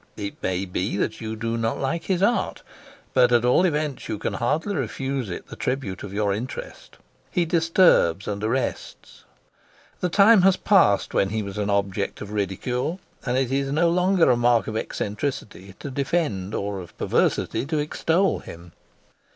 It may be that you do not like his art, but at all events you can hardly refuse it the tribute of your interest. He disturbs and arrests. The time has passed when he was an object of ridicule, and it is no longer a mark of eccentricity to defend or of perversity to extol him.